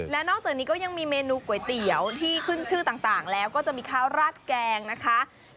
และนอกจากนี้ก็ยังมีเมนูก๋วยเตี๋ยวที่ขึ้นชื่อต่างแล้วก็จะมีข้าวราดแกงนะคะ